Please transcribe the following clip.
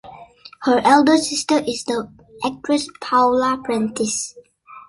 Her elder sister is the actress Paula Prentiss.